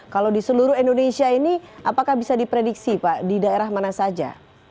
kalau di seluruh indonesia ini apakah bisa diprediksi pak di daerah mana saja